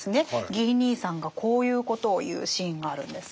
ギー兄さんがこういうことを言うシーンがあるんですけれども。